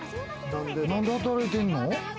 何で働いてんの？